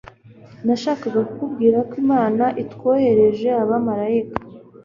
Nashakaga kukubwiraIyo Imana itwohereje abamarayika